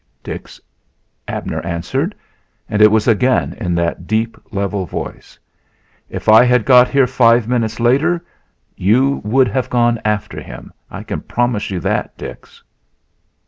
"Dix," Abner answered, and it was again in that deep, level voice, "if I had got here five minutes later you would have gone after him. I can promise you that, Dix.